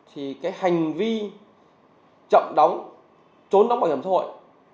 hành vi chậm đóng trốn đóng bảo hiểm xã hội